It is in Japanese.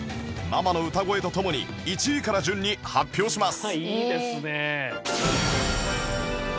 ママの歌声と共に１位から順に発表します